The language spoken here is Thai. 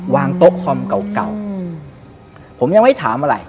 วางโต๊ะคอมเก่าผมยังไม่ถามอะไร